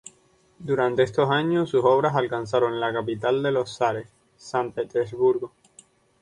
Durante estos años, sus obras alcanzaron la capital de los zares, San Petersburgo.